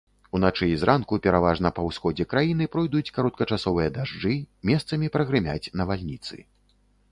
Уначы і зранку пераважна па ўсходзе краіны пройдуць кароткачасовыя дажджы, месцамі прагрымяць навальніцы.